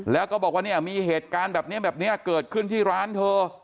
แล้วก็บอกว่าเนี่ยมีเหตุการณ์แบบนี้แบบนี้เกิดขึ้นที่ร้านเธอ